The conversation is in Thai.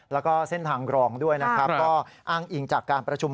แล้วก็เส้นทางกรองด้วยอ้างอิงจากการประชุม